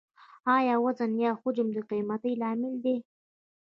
آیا وزن یا حجم د قیمتۍ لامل دی؟